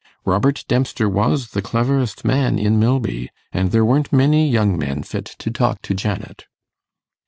Robert Dempster was the cleverest man in Milby; and there weren't many young men fit to talk to Janet.